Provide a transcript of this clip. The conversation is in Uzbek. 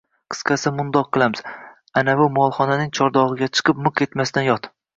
– Qisqasi, mundoq qilamiz, anavi molxonaning chordog‘iga chiqib, miq etmasdan yot